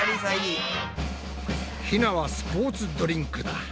ひなはスポーツドリンクだ。